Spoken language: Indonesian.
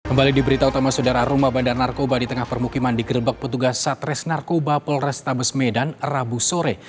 kembali diberitahu sama saudara rumah bandar narkoba di tengah permukiman digerebek petugas satres narkoba polrestabes medan rabu sore